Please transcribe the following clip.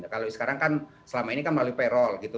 kalau sekarang kan selama ini kan melalui peral gitu